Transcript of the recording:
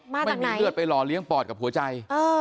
ไม่มีเลือดไปหล่อเลี้ยงปอดกับหัวใจ